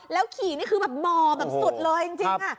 แล้วขี่นี่คือแบบหมอแบบสุดเลยจริงจริงอ่ะ